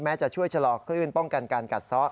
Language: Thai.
จะช่วยชะลอคลื่นป้องกันการกัดซ้อ